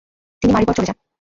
তিনি মারিবর চলে যান।